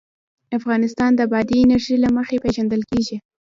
افغانستان د بادي انرژي له مخې پېژندل کېږي.